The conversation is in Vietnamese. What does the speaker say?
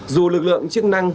dù lực lượng chức năng